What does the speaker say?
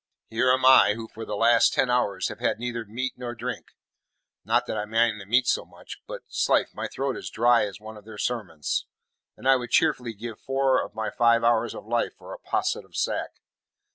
Here am I who for the last ten hours have had neither meat nor drink. Not that I mind the meat so much, but, 'slife, my throat is dry as one of their sermons, and I would cheerfully give four of my five hours of life for a posset of sack.